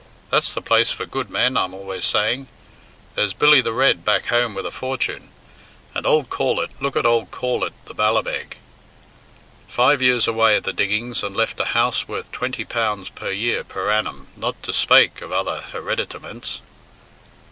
That's the place for good men I'm always saying. There's Billy the Red back home with a fortune. And ould Corlett look at ould Corlett, the Ballabeg! Five years away at the diggings, and left a house worth twenty pounds per year per annum, not to spake of other hereditaments."